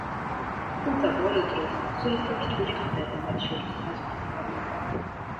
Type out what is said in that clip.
თუმცა ბოლო დროს სულ უფრო რთული ხდება მათ შორის საზღვრის გავლება.